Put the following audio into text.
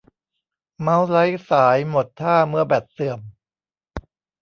เมาส์ไร้สายหมดท่าเมื่อแบตเสื่อม